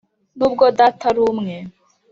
nubwo data ari umwe